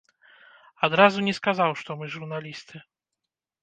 Адразу не сказаў, што мы журналісты.